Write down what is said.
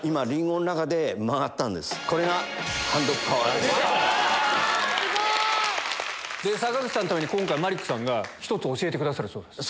何で⁉すごい！坂口さんのためにマリックさんが１つ教えてくださるそうです。